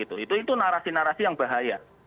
itu narasi narasi yang bahaya